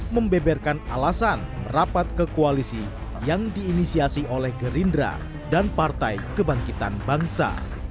membeberkan alasan rapat kekoalisi yang diinisiasi oleh gerindra dan partai kebangkitan bangsa